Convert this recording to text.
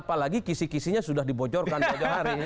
apalagi kisi kisinya sudah dibocorkan sejak hari